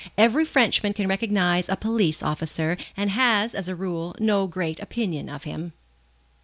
Every Frenchman can recognize a police officer, and has, as a rule, no great opinion of him.